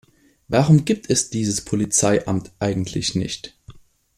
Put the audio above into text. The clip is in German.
Warum gibt es dieses Polizeiamt eigentlich nicht?